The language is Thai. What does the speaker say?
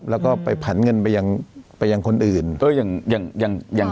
แล้วก็ไปผันเงินไปอย่างไปอย่างคนอื่นเอออย่างอย่างอย่างอย่าง